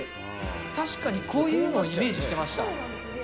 確かにこういうのをイメージしてました。